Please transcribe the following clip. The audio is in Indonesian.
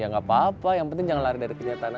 ya gak apa apa yang penting jangan lari dari kenyataan